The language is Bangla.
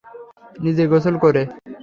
নিজে গোসল করে।